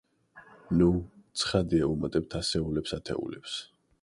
ნუ, ცხადია ვუმატებთ ასეულებს ათეულებს.